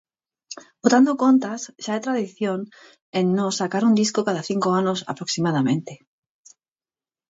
Botando contas, xa é tradición en nós sacar un disco cada cinco anos aproximadamente.